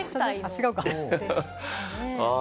違うか。